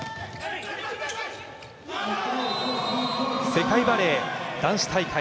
世界バレー男子大会